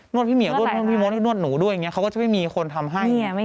นวดพี่หมีนวดหนูด้วยเนี่ยเขาก็จะไม่มีคนทำให้